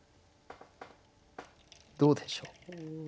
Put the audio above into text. どうでしょう？